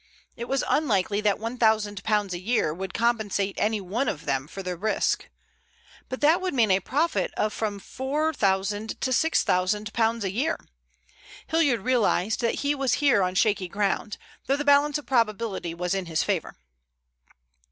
It was unlikely that £1,000 a year would compensate any one of them for the risk. But that would mean a profit of from £4,000 to £6,000 a year. Hilliard realized that he was here on shaky ground, though the balance of probability was in his favor.